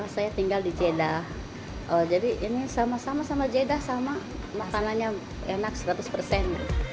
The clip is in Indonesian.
saya tinggal di jeddah jadi ini sama sama jeda sama makanannya enak seratus persen